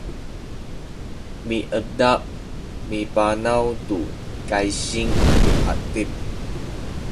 miedap mibanaw tu kaysing atu atip